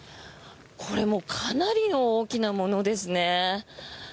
これかなりの大きなものですね。